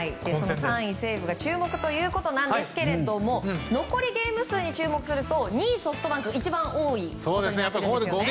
３位、西武が注目ということなんですけれども残りゲーム数に注目すると２位、ソフトバンクが一番多くなってるんですね。